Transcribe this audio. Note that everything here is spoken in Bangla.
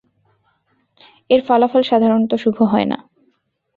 এর ফলাফল সাধারণত শুভ হয় না।